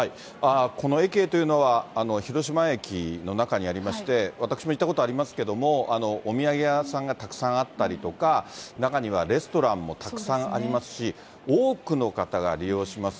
このエキエというのは広島駅の中にありまして、私も行ったことがありますけども、お土産屋さんがたくさんあったりとか、中にはレストランもたくさんありますし、多くの方が利用します。